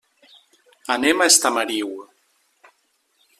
Anem a Estamariu.